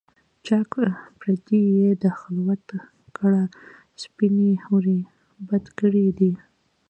چاک پردې یې د خلوت کړه سپیني حوري، بد ګړی دی